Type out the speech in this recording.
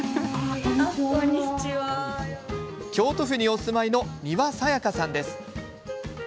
京都府にお住まいの丹羽紗矢香さんです。